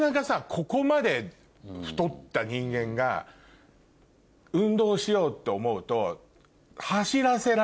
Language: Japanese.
ここまで太った人間が運動しようって思うと。